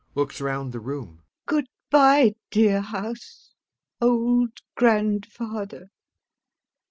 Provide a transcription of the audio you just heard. [Looks round the room] Good bye, dear house, old grandfather.